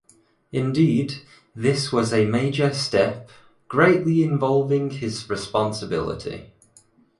Indeed, this was a major step, greatly involving his responsibility.